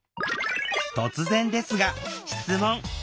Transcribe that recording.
突然ですが質問！